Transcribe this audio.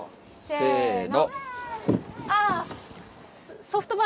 せの！